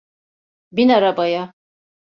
Bin arabaya.